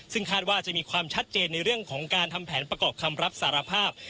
ซึ่งคาดว่าจะมีความชัดเจนในเรื่องของการทำแผนประกอบคำรับสารภาพ